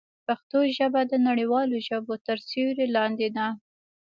پښتو ژبه د نړیوالو ژبو تر سیوري لاندې ده.